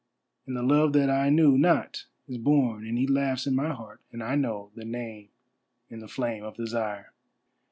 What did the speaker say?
And the Love that I knew not is born and he laughs in my heart, and I know The name and the flame of Desire.